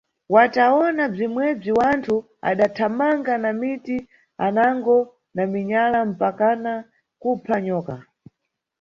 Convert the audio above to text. Watawona bzimwebzi wanthu adathamanga na miti, anango na minyala mpakana kupha nyoka.